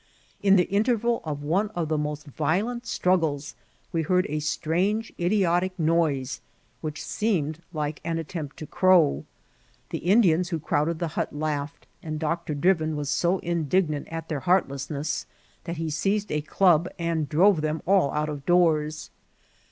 In the interval of one of the most violent struggles we heard a strange id iotic noise, which seemed like an attenqit to crow. The Indians who crowded the hut laughed, and Dr. Drivin was so indignant at their heartlessness that he seisKd a dub and drove them all out of doors.